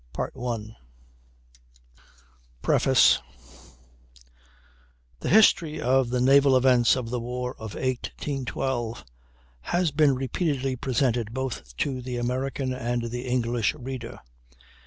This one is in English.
JS PREFACE The history of the naval events of the War of 1812 has been repeatedly presented both to the American and the English reader.